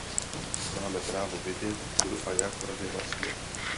Máme právo vědět, kdo a jak v Radě hlasuje.